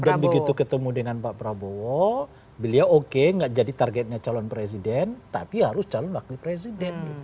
dan begitu ketemu dengan pak prabowo beliau oke gak jadi targetnya calon presiden tapi harus calon wakil presiden gitu